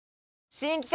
新企画！